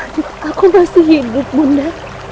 aku masih hidup bunda